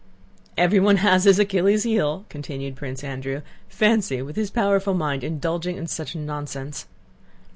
"Everyone has his Achilles' heel," continued Prince Andrew. "Fancy, with his powerful mind, indulging in such nonsense!"